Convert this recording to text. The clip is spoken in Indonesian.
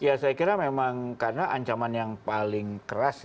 ya saya kira memang karena ancaman yang paling keras